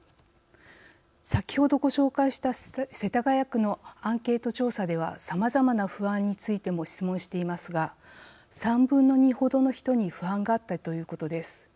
先ほどご紹介した世田谷区のアンケート調査ではさまざまな不安についても質問していますが３分の２ほどの人に不安があったということです。